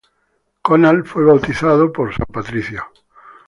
Conall fue bautizado por San Patricio.